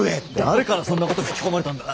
誰からそんなこと吹き込まれたんだ。